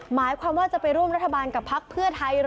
หมายความว่าจะไปร่วมรัฐบาลกับพักเพื่อไทยเหรอ